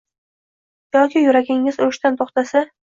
yoki yuragingiz urishdan to‘xtasa.